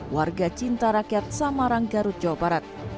warga cinta rakyat samarang garut jawa barat